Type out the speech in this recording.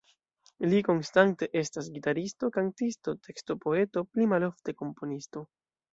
Li konstante estas gitaristo, kantisto, tekstopoeto, pli malofte komponisto.